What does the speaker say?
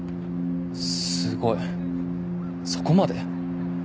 すごいそこまで？